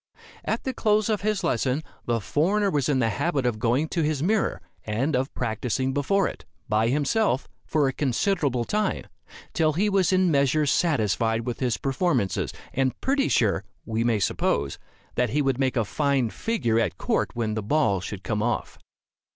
At the close of his lesson, the foreigner was in the habit of going to his mirror, and of practicing before it, by himself, for a considerable time, till he was in a measure satisfied with his performances, and pretty sure, we may suppose, that he would make a fine figure at court when the ball should come off.